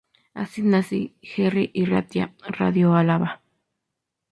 Así nace Herri Irratia-Radio Álava.